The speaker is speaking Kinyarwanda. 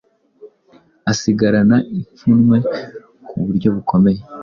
asigarana ipfunwe ku buryo bukomeye